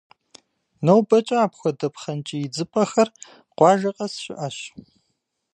Нобэкӏэ апхуэдэ пхъэнкӏий идзыпӏэхэр къуажэ къэс щыӏэщ.